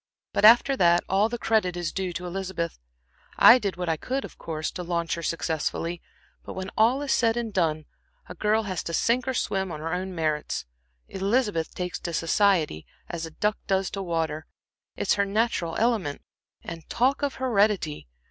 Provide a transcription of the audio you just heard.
But after that, all the credit is due to Elizabeth. I did what I could, of course, to launch her successfully, but when all is said and done, a girl has to sink or swim on her own merits. Elizabeth takes to society as a duck does to water; it's her natural element. And talk of heredity!